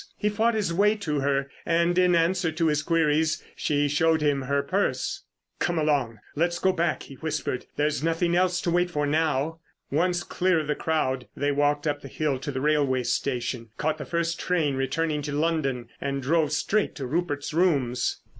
He fought his way to her and in answer to his queries she showed him her purse. "Come along, let's go back," he whispered. "There's nothing else to wait for now." Once clear of the crowd they walked up the hill to the railway station, caught the first train returning to London, and drove straight to Rupert's rooms.